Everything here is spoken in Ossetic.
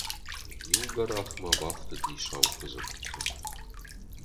Иу гӕрах ма бафтыди Саукуыдзы къухы.